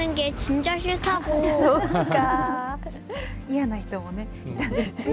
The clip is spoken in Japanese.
嫌な人もね、いたんですね。